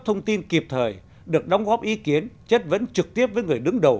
thông tin kịp thời được đóng góp ý kiến chất vấn trực tiếp với người đứng đầu